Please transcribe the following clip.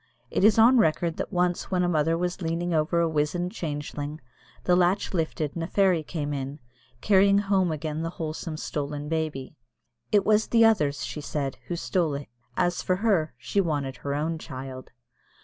It is on record that once when a mother was leaning over a wizened changeling the latch lifted and a fairy came in, carrying home again the wholesome stolen baby. "It was the others," she said, "who stole it." As for her, she wanted her own child.